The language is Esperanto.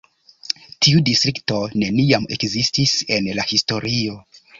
Tiu distrikto neniam ekzistis en la historio.